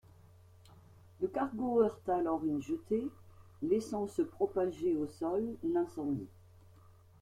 Le cargo heurta alors une jetée, laissant se propager au sol l'incendie.